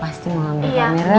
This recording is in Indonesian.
pasti mau ambil kamera